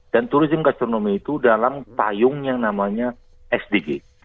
dan turism gastronomi itu dalam payung yang namanya sdg